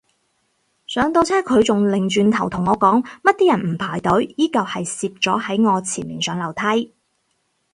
上到車佢仲擰轉頭同我講乜啲人唔排隊，依舊係攝咗喺我前面上樓梯